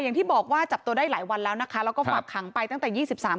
อย่างที่บอกว่าจับตัวได้หลายวันแล้วนะคะแล้วก็ฝากขังไปตั้งแต่ยี่สิบสาม